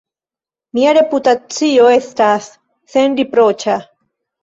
Mia reputacio estas senriproĉa!